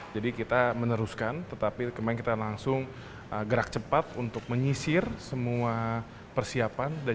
jadi kita meneruskan tetapi kemungkinan langsung gerak cepat untuk menyisir semua persiapan dan